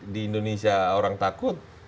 di indonesia orang takut